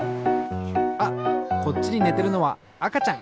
あっこっちにねてるのはあかちゃん！